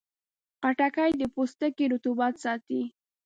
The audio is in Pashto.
خټکی د پوستکي رطوبت ساتي.